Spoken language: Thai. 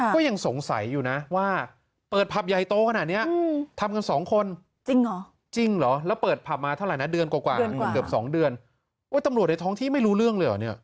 ก็ยังสงสัยอยู่นะว่าเปิดพับยายโต๊ะขนาดนี้ทำกันสองคน